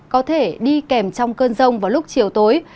có thể đi kèm trong cơn rông vào lúc chiều tối